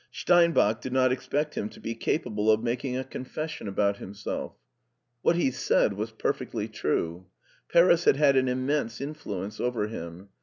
Steinbach did not expect him to be capable of male 100 MARTIN SCHtJLER ing a confession about himself. What he said was perfectly true. Paris had had an immense influence over him.